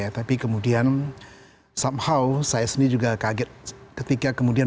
tapi kemudian somehow saya sendiri juga kaget ketika kemudian